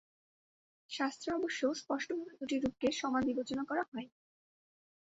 শাস্ত্রে অবশ্য স্পষ্টভাবে দু’টি রূপকে সমান বিবেচনা করা হয়নি।